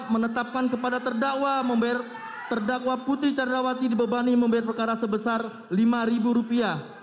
empat menetapkan kepada terdakwa putri candrawati dibebani membeli perkara sebesar lima rupiah